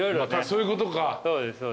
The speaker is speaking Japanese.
そういうことか。